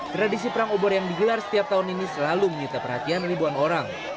tradisi perang obor yang digelar setiap tahun ini selalu menyita perhatian ribuan orang